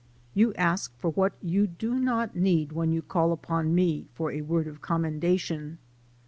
You ask for what you do not need when you call upon me for a word of commendation.